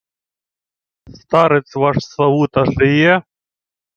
— Старець ваш Славута жиє?